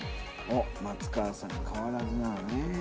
おっ松川さん変わらずなのね。